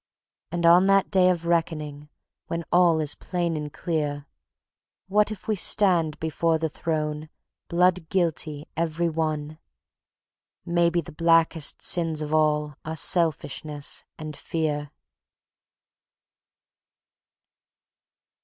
And on that day of reckoning, when all is plain and clear, What if we stand before the Throne, blood guilty every one? ... Maybe the blackest sins of all are Selfishness and Fear.